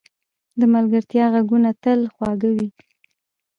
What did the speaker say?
د ملګرتیا ږغونه تل خواږه وي.